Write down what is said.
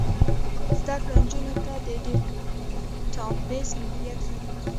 زده کړه نجونو ته د ډیټابیس مدیریت ښيي.